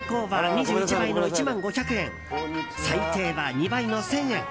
そう最高は２１倍の１万５００円最低は２倍の１０００円。